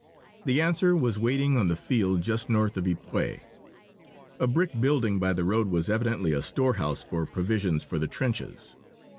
The answer was waiting on the field just north of Ypres. A brick building by the road was evidently a storehouse for provisions for the trenches.